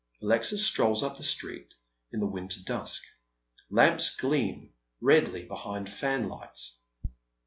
Alexis strolls up the street in the winter dusk. Lamps gleam redly behind fanlights.